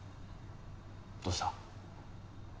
どうした？